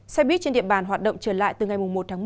xe buýt trên điện bàn hoạt động trở lại từ ngày một một mươi